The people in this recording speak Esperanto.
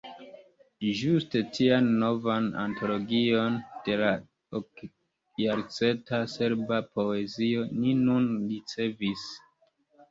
Ĝuste tian novan antologion, de la okjarcenta serba poezio, ni nun ricevis.